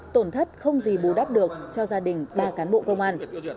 tổn thất không gì bù đắp được cho gia đình ba cán bộ công an